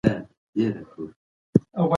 تاريخي دروغ ملتونه له منځه وړي.